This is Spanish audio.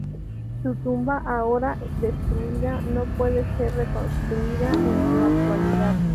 Su tumba, ahora destruida, no puede ser reconstruida en la actualidad.